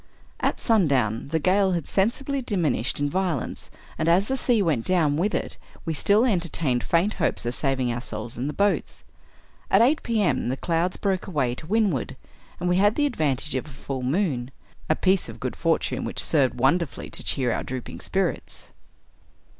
At sundown, the gale had sensibly diminished in vio lence, and, as the sea went down with it, we still enter tained faint hopes of saving ourselves in the boats. At eight P. M., the clouds broke away to windward, and we had the advantage of a full moon — a piece of good for tune which served wonderfully to cheer our drooping spirits.